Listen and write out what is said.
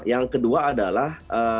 yang kedua adalah